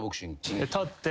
立って。